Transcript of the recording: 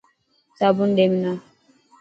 صابن ڏي منا.